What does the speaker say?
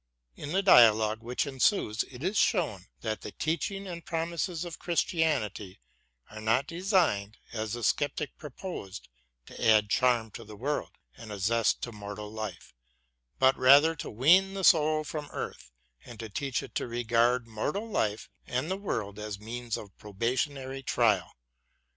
In the dialogue which ensues it is shown that the teaching and promises of Christianity are not designed, as the sceptic supposed, to add charm to the world and a zest to mortal life, but rather tg wean the soul from earth and to teach it to regard mortal life and the world as means of probationary trial.